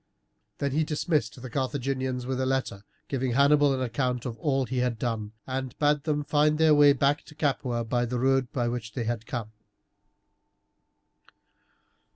Then he dismissed the Carthaginians, with a letter giving Hannibal an account of all he had done, and bade them find their way back to Capua by the road by which they had come.